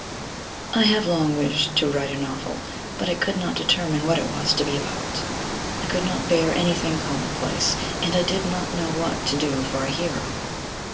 t » I HAVE long wished to write a novel, but I could not determine what it was to be about. I could not bear any thing (^mmon place^ and I did not know what to do for a hero.